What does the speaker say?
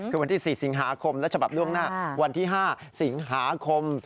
คือวันที่๔สิงหาคมและฉบับล่วงหน้าวันที่๕สิงหาคม